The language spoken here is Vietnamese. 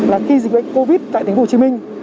là khi dịch bệnh covid tại tp hcm